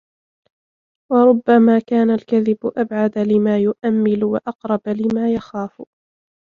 وَرُبَّمَا كَانَ الْكَذِبُ أَبْعَدَ لِمَا يُؤَمِّلُ وَأَقْرَبَ لِمَا يَخَافُ